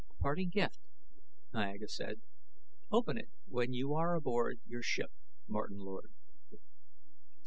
"A parting gift," Niaga said. "Open it when you are aboard your ship, Martin Lord."